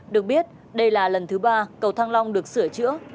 được biết đây là lần thứ ba cầu thăng long được sửa chữa